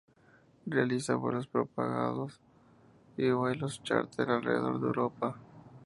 Realiza vuelos programados y vuelos chárter alrededor de Europa.